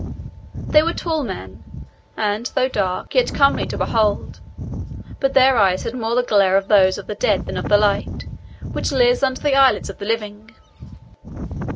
They were tall men, and, though dark, yet comely to behold; but their eyes had more the glare of those of the dead than the light which lives under the eyelids of the living.